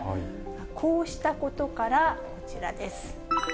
こうしたことから、こちらです。